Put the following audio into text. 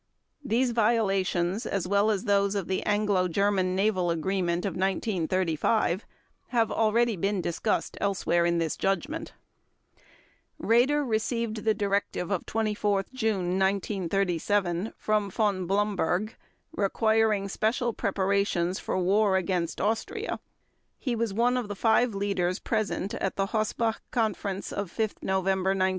These violations, as well as those of the Anglo German Naval Agreement of 1935, have already been discussed elsewhere in this Judgment. Raeder received the directive of 24 June 1937 from Von Blomberg requiring special preparations for war against Austria. He was one of the five leaders present at the Hossbach Conference of 5 November 1937.